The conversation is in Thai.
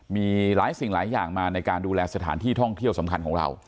มีหลายสิ่งหลายอย่างมาในการดูแลสถานที่ท่องเที่ยวสำคัญของเรา